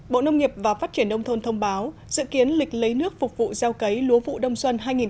bộ nông nghiệp và phát triển đông thôn thông báo dự kiến lịch lấy nước phục vụ gieo cấy lúa vụ đông xuân hai nghìn hai mươi ba